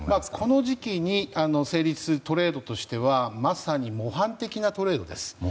この時期に成立するトレードとしてはまさに模範的なトレードです。